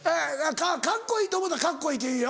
カッコいいと思うたらカッコいいって言うよ。